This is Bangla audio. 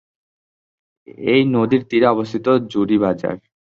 এই নদীর তীরে অবস্থিত জুরিবাজার।